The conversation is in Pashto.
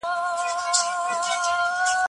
موږ باید نوي ماخذونه پیدا کړو.